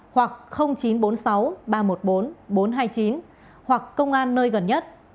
hoặc chín trăm bốn mươi sáu ba trăm một mươi bốn bốn trăm hai mươi chín hoặc công an nơi gần nhất